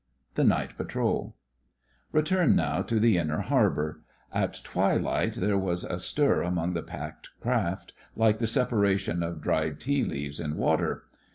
THE NIGHT PATROL Return now to the inner harbour. At twilight there was a stir among the packed craft like the separation of dried tea leaves in water.